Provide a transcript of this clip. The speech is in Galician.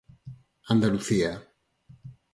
Andalucía.